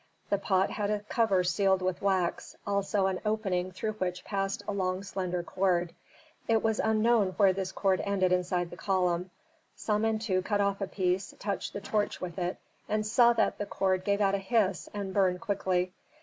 The pot had a cover sealed with wax, also an opening through which passed a long slender cord; it was unknown where this cord ended inside the column. Samentu cut off a piece, touched the torch with it and saw that the cord gave out a hiss and burned quickly.